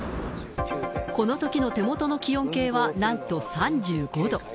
このときの手元の気温計はなんと３５度。